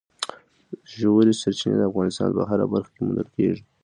ژورې سرچینې د افغانستان په هره برخه کې موندل کېږي.